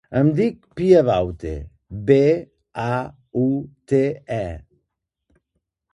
Em dic Pia Baute: be, a, u, te, e.